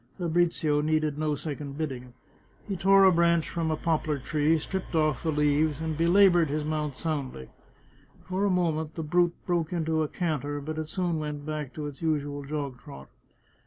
Fabrizio needed no second bidding. He tore a branch from a poplar tree, stripped off the leaves, and belaboured his mount soundly. For a moment the brute broke into a can ter, but it soon went back to its usual jog trot.